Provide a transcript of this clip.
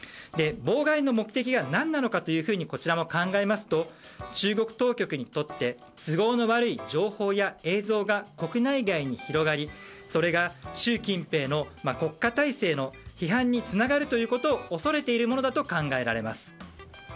妨害の目的は何なのかとこちらも考えますと中国当局にとって都合の悪い情報や映像が国内外に広がりそれが習近平の国家体制の批判につながることを恐れているものだと考えられます。